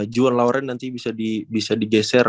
jual lauren nanti bisa digeser